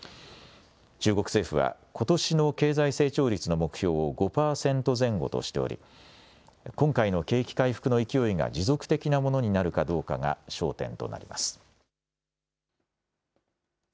中国政府はことしの経済成長率の目標を５％前後としており、今回の景気回復の勢いが持続的なものになるかどうかが焦点となります。